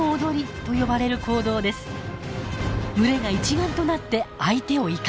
群れが一丸となって相手を威嚇。